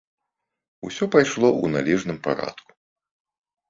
Усё пайшло ў належным парадку.